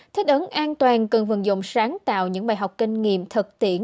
thích ứng an toàn cần vận dụng sáng tạo những bài học kinh nghiệm thực tiễn